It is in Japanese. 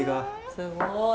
すごい！